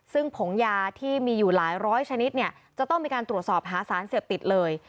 ซึ่งผงยาที่มีอยู่หลายร้อยชนิดเนี่ยจะต้องมีการตรวจสอบหาสารเสพติดเลย